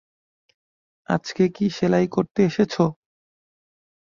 আজকে কী সেলাই করতে এসেছ?